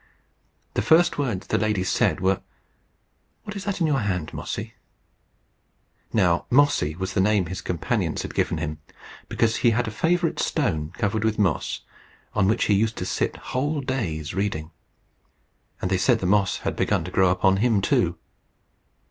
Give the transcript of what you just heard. The first words the lady said were, "What is that in your hand, Mossy?" Now Mossy was the name his companions had given him, because he had a favourite stone covered with moss, on which he used to sit whole days reading; and they said the moss had begun to grow upon him too.